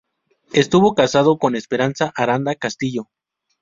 Estuvo casado con Esperanza Aranda Castillo.